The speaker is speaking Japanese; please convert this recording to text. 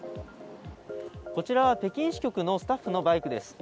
こちら北京支局のスタッフのバイクです。